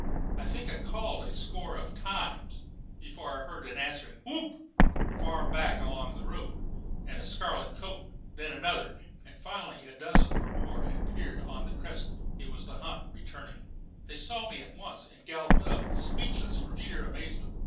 I think I called a score of times before I heard an answering "Whoo oop!" far back on the road, and a scarlet coat, then another, and finally a dozen or more appeared on the crest of the hill. It was the hunt returning. They saw me at once, and galloped up, speechless from sheer amazement.